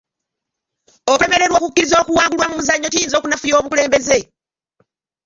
Okulemererwa okukkiriza okuwangulwa mu muzannyo kiyinza okunafuya obukulembeze.